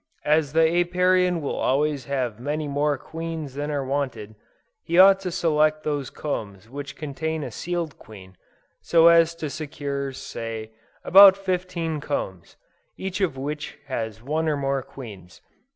As the Apiarian will always have many more queens than are wanted, he ought to select those combs which contain a sealed queen, so as to secure say, about fifteen combs, each of which has one or more queens.